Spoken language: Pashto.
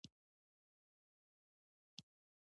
افغانستان تر هغو نه ابادیږي، ترڅو د یو بل زغمل تمرین نکړو.